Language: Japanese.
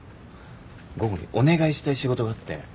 午後にお願いしたい仕事があって。